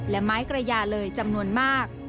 และไม้กระยาเลยจำนวนมาก